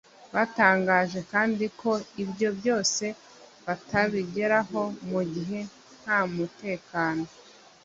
Batangaje kandi ko ibyo byose batabigeraho mu gihe ntamutekano